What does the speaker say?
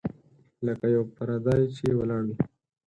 لکه یو پردی چي ولاړ وي .